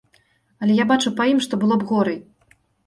Але я бачу па ім, што было б горай.